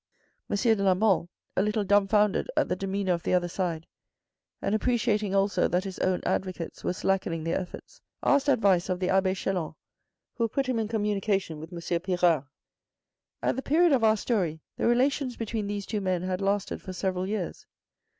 M. de la Mole, a little dumbfoundered at the demeanour of the other side, and appreciating also that his own advocates were slackening their efforts, asked advice of the abbe Chelan, who put hiin in communication with M. Pirard. THE FIRST PROMOTION 209 At the period of our story the relations between these two men had lasted for several years.